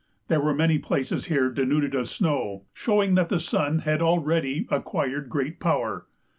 There were many places here denuded of snow, showing that the sun had already acquired great power.